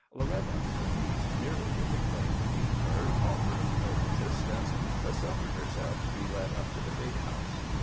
Loretta, her knees nearly giving way beneath her, offered no resistance but suffered herself to be led up to the big house.